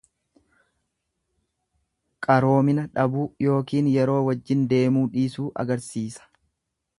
Qaroomina dhabuu yookiin yeroo wajjin deemuu dhiisuu agarsiisa.